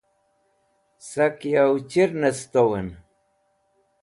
Sak yo chir ne stwoẽn?